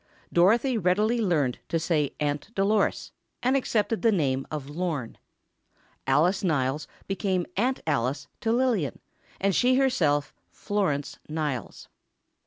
Dorothy readily learned to say "Aunt Dolores" and accepted the name of Lorne. Alice Niles became "Aunt Alice" to Lillian, and she herself "Florence Niles."